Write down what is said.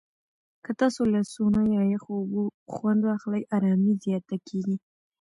که تاسو له سونا یا یخو اوبو خوند واخلئ، آرامۍ زیاته کېږي.